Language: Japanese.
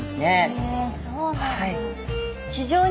へえそうなんだ。